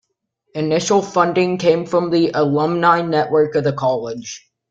Initial funding came from the alumni network of the college.